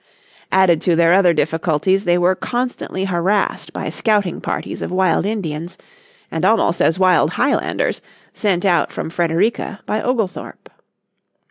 Added to their other difficulties they were constantly harassed by scouting parties of wild Indians, and almost as wild Highlanders, sent out from Frederica by Oglethorpe.